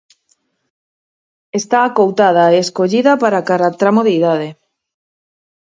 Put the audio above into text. Está acoutada e escollida para cada tramo de idade.